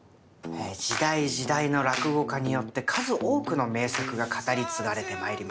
時代時代の落語家によって数多くの名作が語り継がれてまいりました。